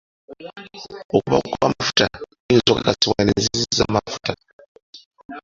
Okubaawo kw'amafuta kuyinza kukakasibwa na nzizi z'amafuta.